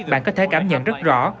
bạn có thể cảm nhận rất rõ